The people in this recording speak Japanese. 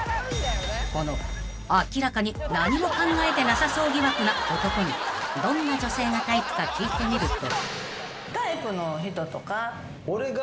［この明らかに何も考えてなさそう疑惑な男にどんな女性がタイプか聞いてみると］